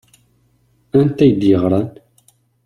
Anta i k-d-yeɣṛan?